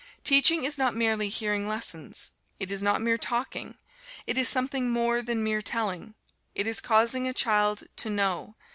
Teaching is not merely hearing lessons. It is not mere talking. It is something more than mere telling. It is causing a child to know.